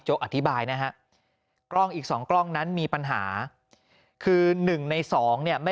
โจ๊กอธิบายนะฮะกล้องอีก๒กล้องนั้นมีปัญหาคือ๑ใน๒เนี่ยไม่